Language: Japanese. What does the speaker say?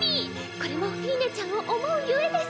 これもフィーネちゃんを思うゆえです。